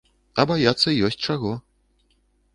А баяцца ёсць чаго.